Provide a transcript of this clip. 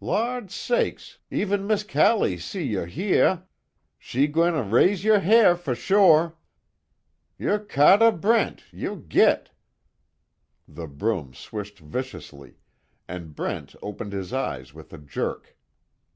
Lawd sakes, efen Miss Callie see yo' hyah, she gwine raise yo' ha'r fo' sho'! Yo' Ca'teh Brent, yo' git!" The broom swished viciously and Brent opened his eyes with a jerk.